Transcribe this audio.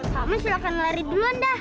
paman silakan lari dulu anda